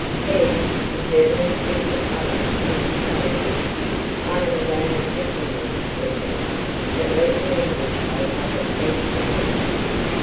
Then, endeavouring to recover his composure, "I am again afflicting you," said he, "but let the anguish I suffer plead for me."